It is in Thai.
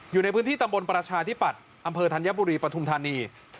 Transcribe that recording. อยู่ในพื้นที่ตำบลประชาธิปัตย์อำเภอธัญบุรีปฐุมธานี